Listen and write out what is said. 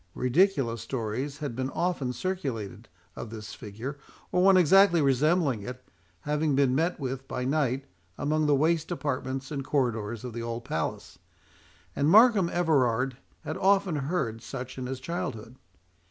Ridiculous stories had been often circulated, of this figure, or one exactly resembling it, having been met with by night among the waste apartments and corridors of the old palace; and Markham Everard had often heard such in his childhood.